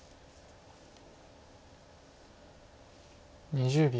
２０秒。